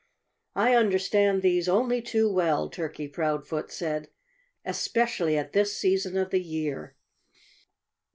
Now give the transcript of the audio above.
"I understand these only too well " Turkey Proudfoot said "especially at this season of the year!"